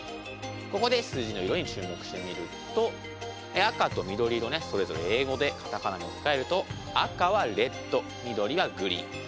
ここで数字の色に注目してみると赤と緑色ねそれぞれ英語で片仮名に置き換えると赤はレッド緑がグリーン。